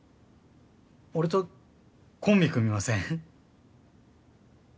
俺とコンビ組みません？